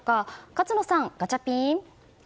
勝野さん、ガチャピン！